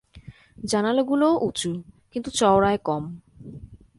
জানালাগুলোও উঁচু, কিন্তু চওড়ায় কম।